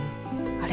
あれ？